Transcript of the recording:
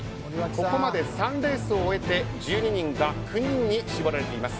ここまで３レースを終えて１２人が９人に絞られています。